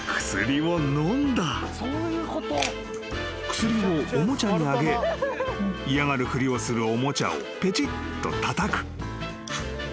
［薬をおもちゃにあげ嫌がるふりをするおもちゃをぺちっとたたく］